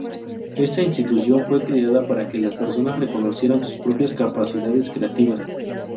Está institución fue creada para que las personas reconocieran sus propias capacidades creativas.